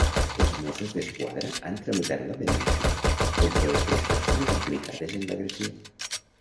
Els Mossos d'Esquadra han tramitat la denúncia contra les tres persones implicades en l'agressió.